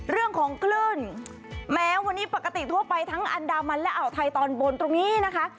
เรื่องของคลื่นแม้วันนี้ปกติทั่วไปทั้งอันดามันและอ่าวไทยตอนบนตรงนี้นะคะ